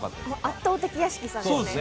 圧倒的屋敷さんですね。